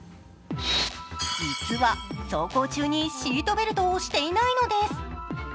実は、走行中にシートベルトをしていないのです。